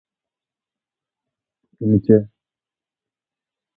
Hoy se aplican en laboratorios farmacológicos y fisiológicos del mundo entero.